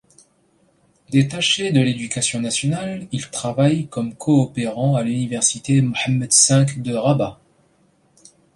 Détaché de l'Éducation nationale, il travaille comme coopérant à l'université Mohammed V de Rabat.